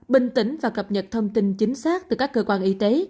bình tĩnh và cập nhật thông tin chính xác từ các cơ quan y tế